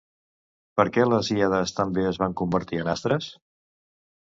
Per què les Híades també es van convertir en astres?